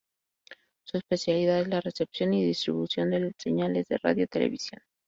Su especialidad es la recepción y distribución de señales de radio-televisión.